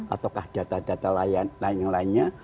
ataukah data data lainnya